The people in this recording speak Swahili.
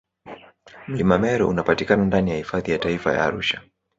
mlima meru unapatikana ndani ya hifadhi ya taifa ya arusha